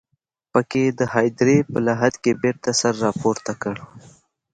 په کې د هديرې په لحد کې بېرته سر راپورته کړ.